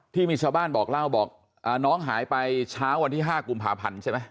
ที่มีชาวบ้านบอกเล่าบอกน้องหายไปเช้าวันที่๕กุมภาพันธ์ใช่ไหม